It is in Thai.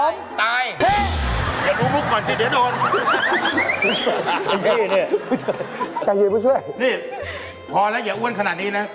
เนี่ยพอแล้วอย่าอ้วนขนาดนี้